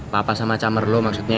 papa sama chammer lu maksudnya